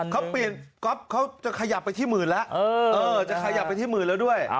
เขาจะขยับไปที่หมื่นแล้วด้วย